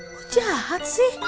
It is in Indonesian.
kok jahat sih